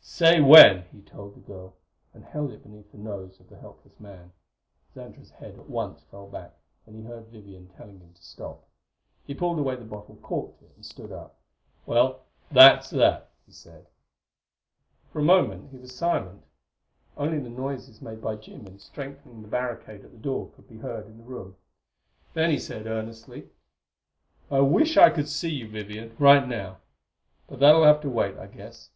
"Say when," he told the girl, and held it beneath the nose of the helpless man. Xantra's head at once fell back, and he heard Vivian telling him to stop. He pulled away the bottle, corked it and stood up. "Well, that's that," he said. For a moment he was silent. Only the noises made by Jim in strengthening the barricade at the door could be heard in the room. Then he said, earnestly: "I wish I could see you, Vivian right now; but that'll have to wait. I guess...."